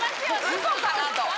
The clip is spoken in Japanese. ウソかなと。